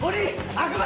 悪魔！